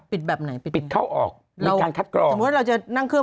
แบบไหนปิดปิดเข้าออกมีการคัดกรองสมมุติเราจะนั่งเครื่อง